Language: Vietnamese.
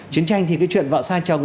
chiến tranh thì cái chuyện vợ xa chồng